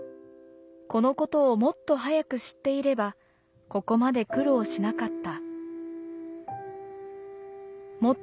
この事をもっと早く知っていればここまで苦労しなかった」。